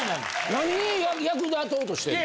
何に役立とうとしてるの？